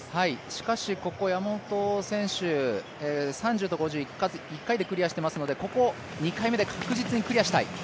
しかしここ山本選手３０と５０、１回でクリアしてますのでここ、２回目で確実にクリアしたい。